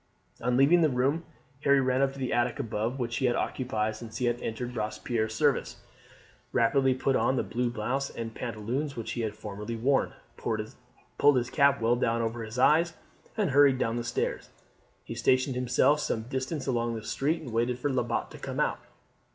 On leaving the room Harry ran up to the attic above, which he had occupied since he had entered Robespierre's service, rapidly put on the blue blouse and pantaloons which he had formerly worn, pulled his cap well down over his eyes, and hurried down stairs. He stationed himself some distance along the street and waited for Lebat to come out.